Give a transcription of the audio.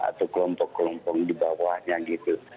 atau kelompok kelompok di bawahnya gitu